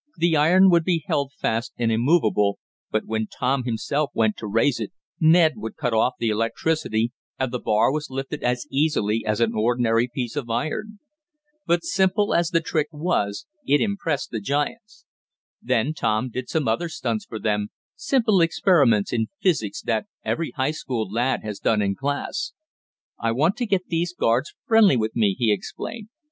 The iron would be held fast and immovable, but when Tom himself went to raise it Ned would cut off the electricity and the bar was lifted as easily as an ordinary piece of iron. But simple as the trick was, it impressed the giants. Then Tom did some other stunts for them, simple experiments in physics, that every High School lad has done in class. "I want to get these guards friendly with me," he explained.